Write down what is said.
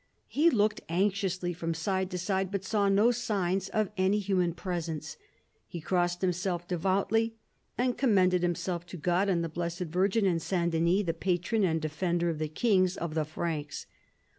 He looked anxiously from side to side, but saw no signs of any human presence. He crossed himself devoutly and commended himself to God and the Blessed Virgin and S. Denys, the patron and defender of the kings of the Franks.